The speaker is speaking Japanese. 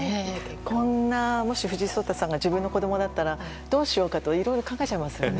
もし、藤井聡太さんが自分の子供だったらどうしようかといろいろ考えちゃいますよね。